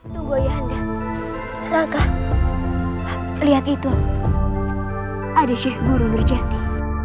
tunggu ya anda raka lihat itu ada syekh guru berjati